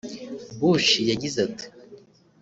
Bush yagize ati